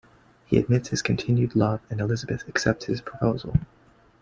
He admits his continued love and Elizabeth accepts his proposal.